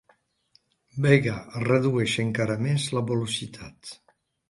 Vega redueix encara més la velocitat.